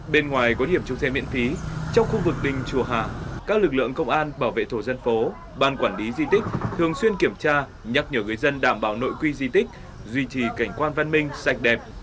bên ngoài có điểm chung xe miễn phí trong khu vực đình chùa hạ các lực lượng công an bảo vệ thổ dân phố ban quản lý di tích thường xuyên kiểm tra nhắc nhở người dân đảm bảo nội quy di tích duy trì cảnh quan văn minh sạch đẹp